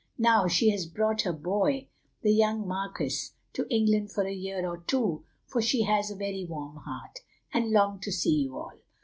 Now she has brought her boy, the young marquis, to England for a year or two, for she has a very warm heart, and longed to see you all.